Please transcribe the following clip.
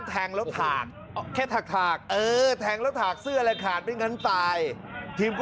จริงจริงจริงจริงจริงจริงจริงจริง